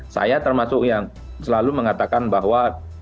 saya termasuk yang selalu mengatakan bahwa